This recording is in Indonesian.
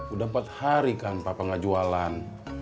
udah empat hari kan papa nggak jualan